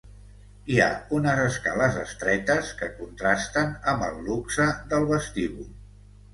Hi ha unes escales estretes que contrasten amb el luxe del vestíbul.